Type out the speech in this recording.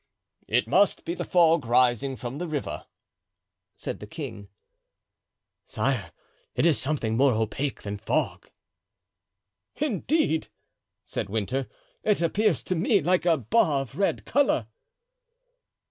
"It must be the fog rising from the river," said the king. "Sire, it is something more opaque than the fog." "Indeed!" said Winter, "it appears to me like a bar of red color."